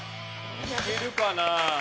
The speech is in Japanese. いけるかな？